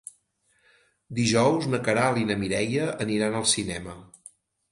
Dijous na Queralt i na Mireia aniran al cinema.